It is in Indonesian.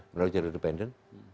menurut jodoh dependen